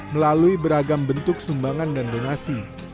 melalui beragam bentuk sumbangan dan donasi